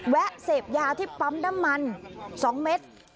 เสพยาที่ปั๊มน้ำมัน๒เม็ด